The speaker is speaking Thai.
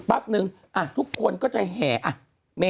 คุณหนุ่มกัญชัยได้เล่าใหญ่ใจความไปสักส่วนใหญ่แล้ว